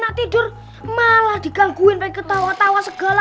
orang laki enak tidur malah dikangguin main ketawa ketawa segala